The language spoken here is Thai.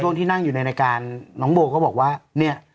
ที่นั่งอยู่ในรายการน้องโบก็บอกว่าเนี่ย